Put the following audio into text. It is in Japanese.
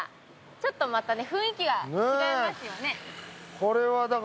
ちょっとまた雰囲気が違いますよね。